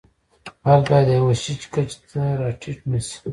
فرد باید د یوه شي کچې ته را ټیټ نشي.